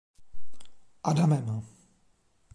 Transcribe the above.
Adamem.